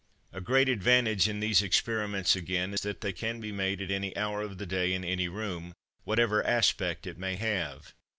A great advantage in these experiments, again, is, that they can be made at any hour of the day in any room, whatever aspect it may have.